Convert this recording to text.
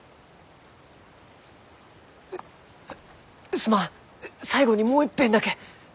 すまん最後にもういっぺんだけ！